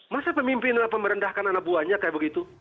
masa pemimpin apa merendahkan anak buahnya kayak begitu